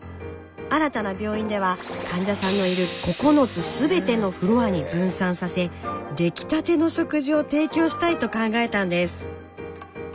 新たな病院では患者さんのいる９つすべてのフロアに分散させ出来たての食事を提供したいと考えたんです。